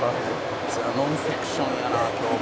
「『ザ・ノンフィクション』やな今日も」